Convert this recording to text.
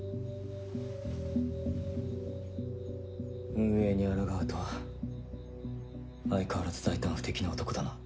運営にあらがうとは相変わらず大胆不敵な男だな。